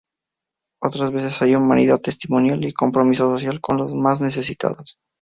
Otras veces hay humanidad testimonial y compromiso social con los más necesitados.